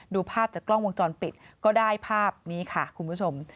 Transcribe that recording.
ดูภาพจากกล้องวงจรปิดก็ได้ภาพนี้ค่ะคุณผู้ชม